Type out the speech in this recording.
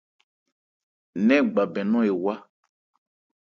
Nɛ́n gba bɛn nɔ̂n ewá.